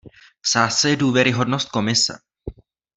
V sázce je důvěryhodnost Komise.